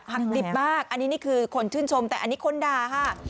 ดิบมากอันนี้นี่คือคนชื่นชมแต่อันนี้คนด่าค่ะ